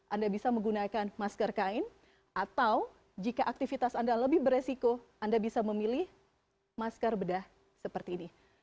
anda bisa menggunakan masker kain atau jika aktivitas anda lebih beresiko anda bisa memilih masker bedah seperti ini